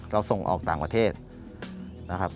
เราส่งออกต่างประเทศนะครับ